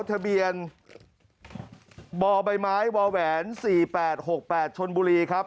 ทะเบียนบใบไม้วแหวน๔๘๖๘ชนบุรีครับ